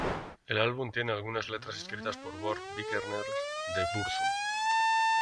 El álbum tiene algunas letras escritas por Varg Vikernes de Burzum.